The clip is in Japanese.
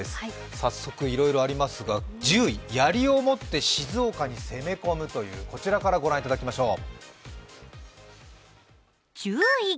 早速いろいろありますが、１０位やりを持って静岡に攻め込む、こちらから御覧いただきましょう。